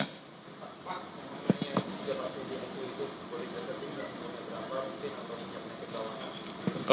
pak yang sudah masuk di asi itu boleh dapet apal mungkin atau tidak